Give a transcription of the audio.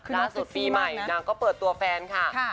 ล่าสุดปีใหม่นางก็เปิดตัวแฟนค่ะ